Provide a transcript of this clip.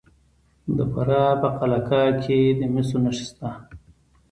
د فراه په قلعه کاه کې د مسو نښې شته.